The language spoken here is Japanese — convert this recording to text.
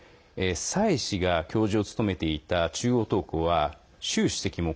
蔡氏が教授を務めていた中央党校は、習主席も